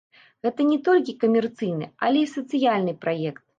Гэта не толькі камерцыйны, але і сацыяльны праект.